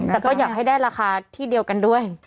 แต่ก็อยากให้ได้ราคาที่เดียวกันด้วย